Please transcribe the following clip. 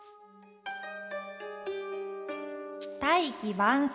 「大器晩成」。